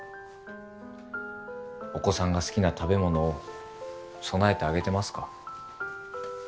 お子さんが好きな食べ物を供えてあげてますか？